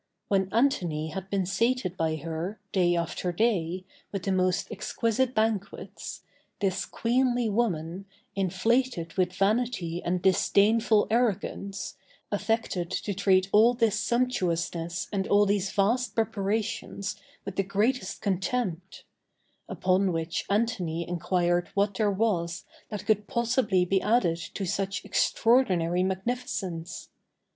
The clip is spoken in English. When Antony had been sated by her, day after day, with the most exquisite banquets, this queenly woman, inflated with vanity and disdainful arrogance, affected to treat all this sumptuousness and all these vast preparations with the greatest contempt; upon which Antony enquired what there was that could possibly be added to such extraordinary magnificence.